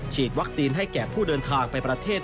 ฉีดวัคซีนให้แก่ผู้เดินทางไปประเทศ